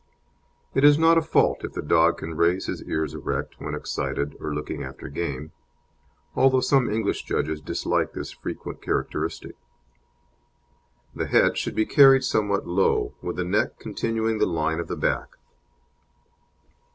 It is not a fault if the dog can raise his ears erect when excited or looking after game, although some English judges dislike this frequent characteristic. The head should be carried somewhat low, with the neck continuing the line of the back.